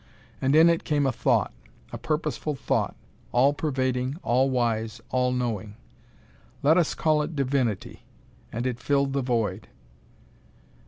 And in it came a Thought. A purposeful Thought all pervading, all wise, all knowing. Let us call It Divinity. And It filled the void.